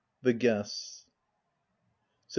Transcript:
THE GUESTS. Sept.